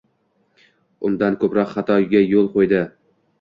undanda ko‘proq xatoga yo‘l qo‘ydi.